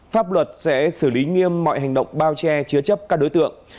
pháp luật sẽ xử lý nghiêm mọi hành động bao che chứa chấp các đối tượng